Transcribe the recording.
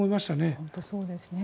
本当にそうですね。